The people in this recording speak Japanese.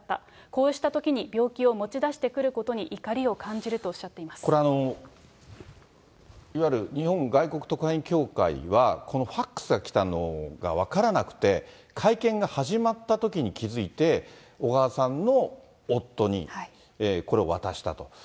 こうしたときに病気を持ち出してくることに怒りを感じるとおっしこれ、いわゆる日本外国特派員協会は、このファックスが来たのが分からなくて、会見が始まったときに気付いて、小川さんの夫に、これを渡したと。